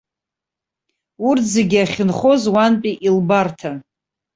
Урҭ зегьы ахьынхоз уантәи илбарҭан.